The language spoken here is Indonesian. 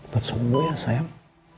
buat sembuh ya sayang